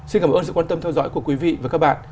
xin cảm ơn sự quan tâm theo dõi của quý vị và các bạn